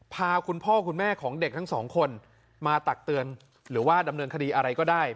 พาคุณพ่อคุณแม่ของเด็กทั้งสองคนมาตักเตือนหรือว่าดำเนินคดีอะไรก็ได้